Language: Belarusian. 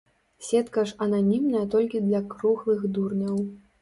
Сетка ж ананімная толькі для круглых дурняў.